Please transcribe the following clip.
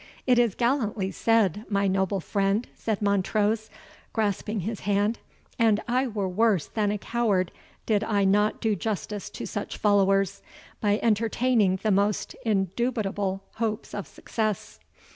"It is gallantly said, my noble friend," said Montrose, grasping his hand, "and I were worse than a coward did I not do justice to such followers, by entertaining the most indubitable hopes of success.